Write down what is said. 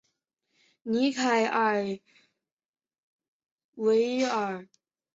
伊凯尔瓦尔。